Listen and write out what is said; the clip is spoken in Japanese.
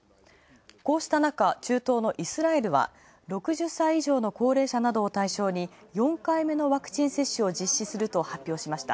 こうしたなか中東のイスラエルは６０歳以上の高齢者などを対象に、４回目のワクチン接種を実施すると発表しました。